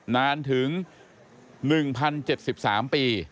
นานถึง๑๐๗๓ปี